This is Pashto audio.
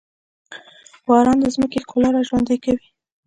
باران د ځمکې ښکلا راژوندي کوي.